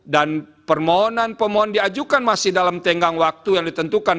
dan permohonan pemohon diajukan masih dalam tenggang waktu yang ditentukan